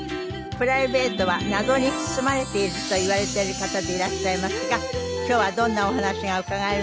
プライベートは謎に包まれているといわれている方でいらっしゃいますが今日はどんなお話が伺えるのか。